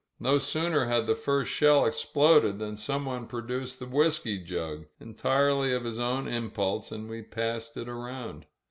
No sooner had the first shell ex ploded than someone produced the whisky jug, entirely of his own impulse, and we passed it around.